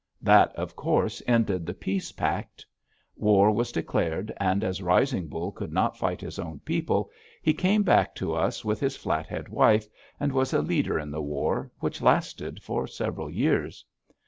That, of course, ended the peace pact; war was declared, and as Rising Bull could not fight his own people, he came back to us with his Flathead wife, and was a leader in the war, which lasted for several years.